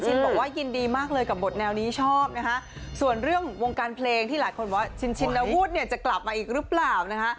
บอกว่ายินดีมากเลยกับบทแนวนี้ชอบนะคะส่วนเรื่องวงการเพลงที่หลายคนบอกว่าชินชินวุฒิเนี่ยจะกลับมาอีกหรือเปล่านะคะ